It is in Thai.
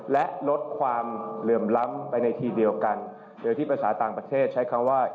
และลดความเหลื่อมล้ำไปในทีเดียวกันโดยที่ภาษาต่างประเทศใช้คำว่า